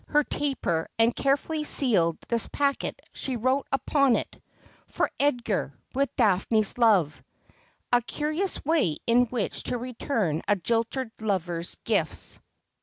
359 her taper and carefully sealed this packet, she wrote upon it :' For Edgar, with Daphne's love '— a curious way in which to return a jilted lover's gifts.